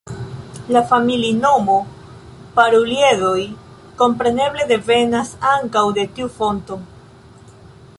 La familinomo, Paruliedoj, kompreneble devenas ankaŭ de tiu fonto.